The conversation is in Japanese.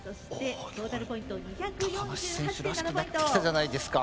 高梨選手らしくなってきたじゃないですか。